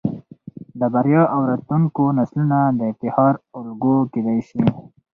د بريا او راتلونکو نسلونه د افتخار الګو کېدى شي.